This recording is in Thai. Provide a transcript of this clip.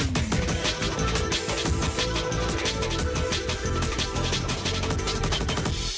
แข็งแข็งแข็งแข็งแข็ง